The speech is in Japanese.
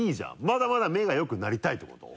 まだまだ目が良くなりたいってこと？